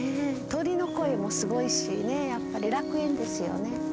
鳥の声もすごいしやっぱり楽園ですよね。